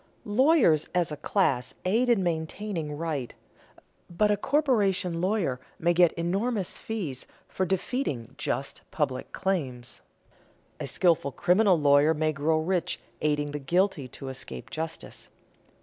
Lawyers as a class aid in maintaining right, but a corporation lawyer may get enormous fees for defeating just public claims; a skilful criminal lawyer may grow rich aiding the guilty to escape justice.